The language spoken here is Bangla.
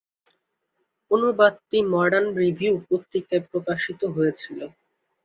অনুবাদটি "মডার্ন রিভিউ" পত্রিকায় প্রকাশিত হয়েছিল।